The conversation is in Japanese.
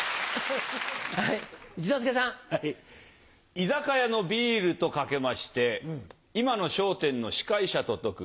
居酒屋のビールと掛けまして今の『笑点』の司会者と解く。